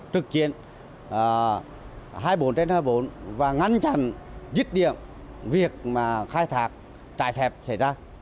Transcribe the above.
trực chiến hai mươi bốn trên hai mươi bốn và ngăn chặn dứt điểm việc khai thạc trại phẹp xảy ra